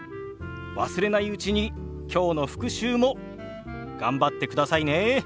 忘れないうちに今日の復習も頑張ってくださいね。